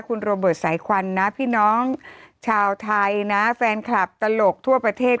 คุณโรเบิร์ตสายควันนะพี่น้องชาวไทยนะแฟนคลับตลกทั่วประเทศ